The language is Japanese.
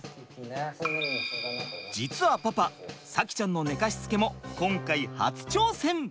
実はパパ咲希ちゃんの寝かしつけも今回初挑戦！